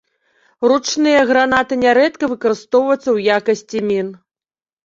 Ручныя гранаты нярэдка выкарыстоўваюцца ў якасці мін.